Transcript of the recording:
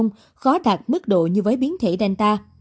omicron khó đạt mức độ như với biến thể delta